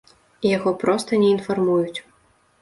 Яго проста не інфармуюць.